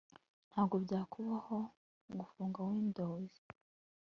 ntabwo byakubayeho gufunga windows